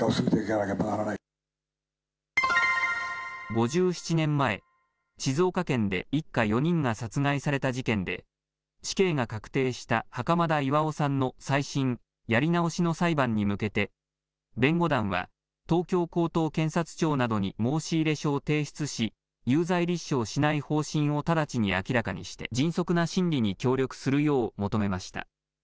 ５７年前、静岡県で一家４人が殺害された事件で、死刑が確定した袴田巌さんの再審・やり直しの裁判に向けて、弁護団は東京高等検察庁などに申し入れ書を提出し、有罪立証しない方針を直ちに明らかにして、迅速な審理に協力するよう求めました。